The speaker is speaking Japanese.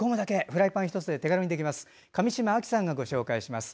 フライパン１つで手軽にできます。